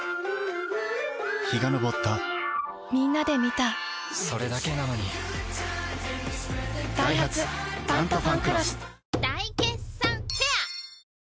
陽が昇ったみんなで観たそれだけなのにダイハツ「タントファンクロス」大決算フェア